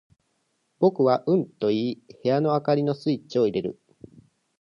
僕はうんと言い、部屋の灯りのスイッチを入れる。